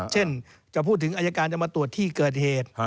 จะพูดถึงอายการจะมาตรวจที่เกิดเหตุ